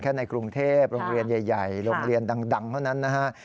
ในกรุงเทพโรงเรียนใหญ่โรงเรียนดังเท่านั้นนะฮะ